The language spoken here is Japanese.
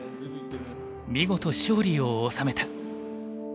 見事勝利を収めた。